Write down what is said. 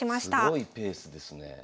すごいペースですねえ。